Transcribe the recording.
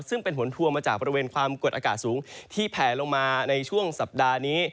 ซึ่งเป็นผลพวงมาจากบริเวณความกดอากาศสูงที่แผลลงมาในช่วงสัปดาห์นี้